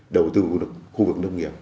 đầu tư vào khu vực nông nghiệp